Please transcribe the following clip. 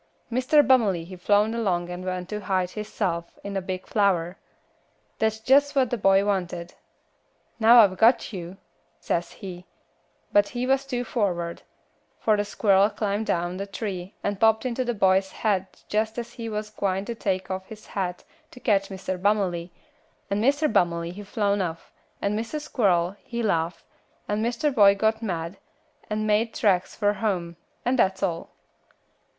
"Mr. Bummely he flown along and went to hide hissef in a big flower. That's jess what the boy wanted. 'Now I've got yuh,' says he, but he was too forward, fur the squirl clim' down the tree and popped onto the boy's haid jess ez he was gwine to take off his hat to ketch Mr. Bummely, and Mr. Bummely he flown off, and Mr. Squirl he laugh, and Mr. Boy he got mad, and made tracks fur home, and that's all."